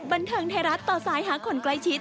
บันเทิงไทยรัฐต่อสายหาคนใกล้ชิด